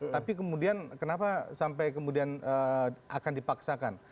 tapi kemudian kenapa sampai kemudian akan dipaksakan